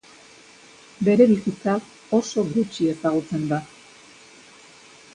Bere bizitzaz oso gutxi ezagutzen da.